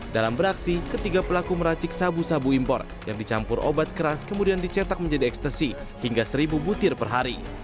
dalam beraksi ketiga pelaku meracik sabu sabu impor yang dicampur obat keras kemudian dicetak menjadi ekstasi hingga seribu butir per hari